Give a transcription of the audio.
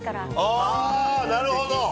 あー、なるほど。